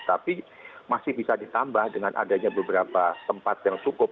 tapi masih bisa ditambah dengan adanya beberapa tempat yang cukup